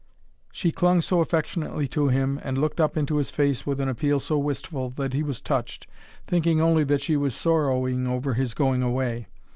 She clung so affectionately to him and looked up into his face with an appeal so wistful that he was touched, thinking only that she was sorrowing over his going away.